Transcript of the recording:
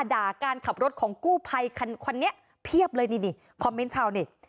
ด่าการขับรถของกู้ภัยคันนี้เพียบเลยนี่นี่คอมเมนต์ชาวเน็ต